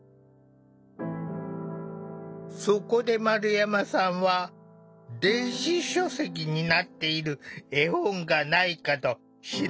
そこで丸山さんは電子書籍になっている絵本がないかと調べてみた。